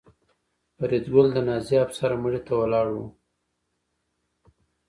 فریدګل د نازي افسر مړي ته ولاړ و